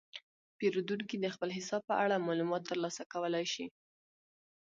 پیرودونکي د خپل حساب په اړه معلومات ترلاسه کولی شي.